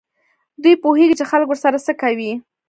دوی پوهېږي چې خلک ورسره څه کوي.